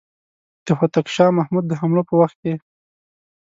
د هوتک شاه محمود د حملو په وخت کې.